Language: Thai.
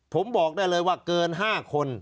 ผมบอกได้เลยว่าเกิน๕คน